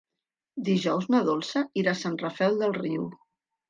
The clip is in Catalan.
Dijous na Dolça irà a Sant Rafel del Riu.